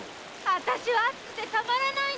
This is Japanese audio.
あたしは熱くてたまらないのです！